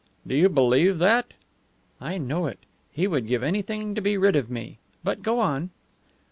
"Do you believe that?" "I know it. He would give anything to be rid of me. But go on."